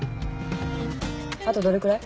あとどれくらい？